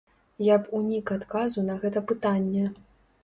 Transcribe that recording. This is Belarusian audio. Я б унік адказу на гэта пытанне.